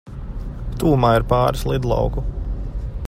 Tuvumā ir pāris lidlauku.